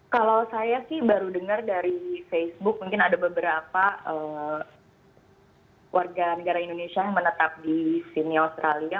kalau saya sih baru dengar dari facebook mungkin ada beberapa warga negara indonesia yang menetap di sydney australia